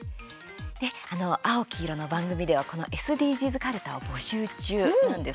「あおきいろ」の番組ではこのＳＤＧｓかるたを募集中なんです。